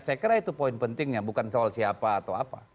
saya kira itu poin pentingnya bukan soal siapa atau apa